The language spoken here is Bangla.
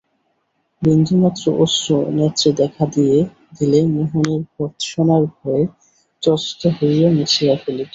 বিন্দুমাত্র অশ্রু নেত্রে দেখা দিলে মোহনের ভর্ৎসনার ভয়ে ত্রস্ত হইয়া মুছিয়া ফেলিত।